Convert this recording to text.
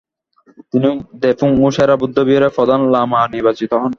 তিনি দ্রেপুং ও সেরা বৌদ্ধবিহারের প্রধান লামা নির্বাচিত হন।